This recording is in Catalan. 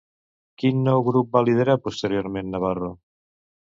Quin nou grup va liderar posteriorment Navarro?